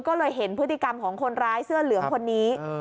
ก็เลยเห็นพฤติกรรมของคนร้ายเสื้อเหลืองคนนี้